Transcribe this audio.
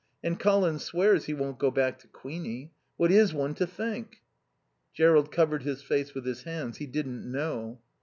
And Colin swears he won't go back to Queenie. What is one to think?" Jerrold covered his face with his hands. He didn't know.